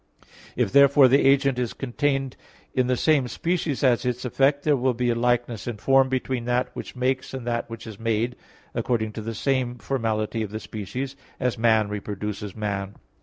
If therefore the agent is contained in the same species as its effect, there will be a likeness in form between that which makes and that which is made, according to the same formality of the species; as man reproduces man.